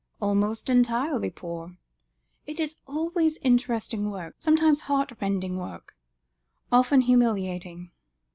"Almost entirely poor. It is always interesting work, sometimes heartrending work, often humiliating.